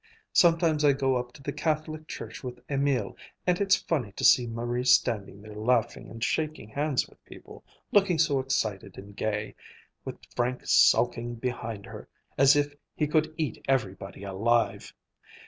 Sometimes I go up to the Catholic church with Emil, and it's funny to see Marie standing there laughing and shaking hands with people, looking so excited and gay, with Frank sulking behind her as if he could eat everybody alive.